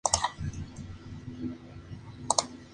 Obtuvo la Legión de Honor.